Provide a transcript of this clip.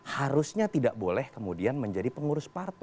harusnya tidak boleh kemudian menjadi pengurus partai